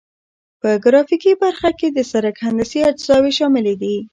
په ګرافیکي برخه کې د سرک هندسي اجزاوې شاملې دي